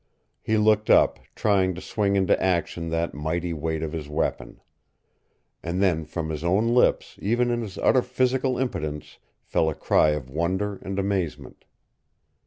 He looked up, trying to swing into action that mighty weight of his weapon. And then from his own lips, even in his utter physical impotence, fell a cry of wonder and amazement.